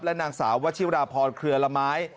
นางสาววชิราพรเครือละไม้